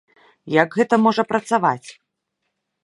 Як гэта можа працаваць?